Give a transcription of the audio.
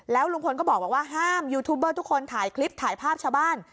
ลุงพลก็บอกว่าห้ามยูทูบเบอร์ทุกคนถ่ายคลิปถ่ายภาพชาวบ้าน